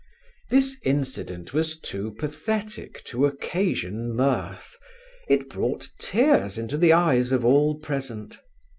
This incident was too pathetic to occasion mirth it brought tears into the eyes of all present.